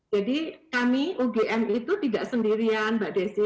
jadi kami ugm itu tidak sendirian mbak desi